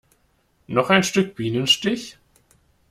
Noch ein Stück Bienenstich?